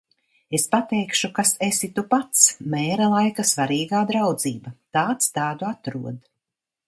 Es pateikšu, kas esi tu pats. Mēra laika svarīgā draudzība. Tāds tādu atrod.